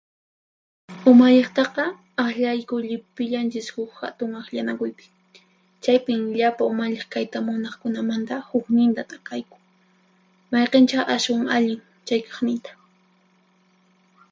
Umalliqtaqa aqllayku llipillanchis huq hatun aqllanakuypi; chaypin llapa umalliq kayta munaqkunamanta huqninta t'aqayku, mayqinchá ashwan allin chay kaqninta.